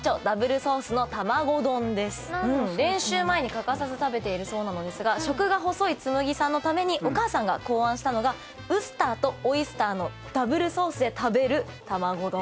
練習前に欠かさず食べているそうなのですが食が細い紬さんのためにお母さんが考案したのがウスターとオイスターのダブルソースで食べる卵丼。